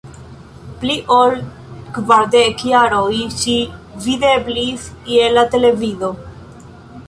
Pli ol kvardek jaroj ŝi videblis je la televido.